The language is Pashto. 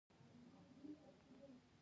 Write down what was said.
طغرا خط، د خط یو ډول دﺉ.